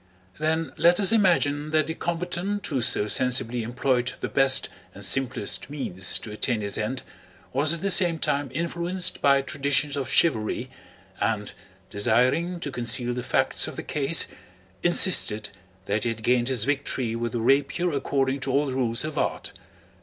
Then let us imagine that the combatant who so sensibly employed the best and simplest means to attain his end was at the same time influenced by traditions of chivalry and, desiring to conceal the facts of the case, insisted that he had gained his victory with the rapier according to all the rules of art.